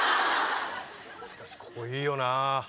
しかしここいいよなぁ。